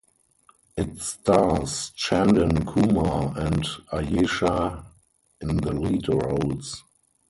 It stars Chandan Kumar and Ayesha in the lead roles.